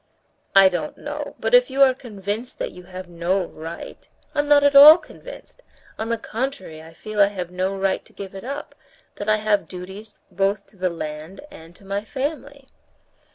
"I don't know; but if you are convinced that you have no right...." "I'm not at all convinced. On the contrary, I feel I have no right to give it up, that I have duties both to the land and to my family."